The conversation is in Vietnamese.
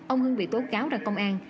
ông hưng bị tố cáo ra công an